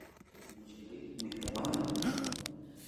نجلۍ مهربانه ده.